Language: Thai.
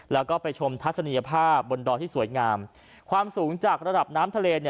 แล้วก็ไปชมทัศนียภาพบนดอยที่สวยงามความสูงจากระดับน้ำทะเล